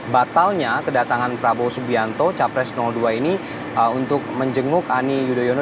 batalnya kedatangan prabowo subianto capres dua ini untuk menjenguk ani yudhoyono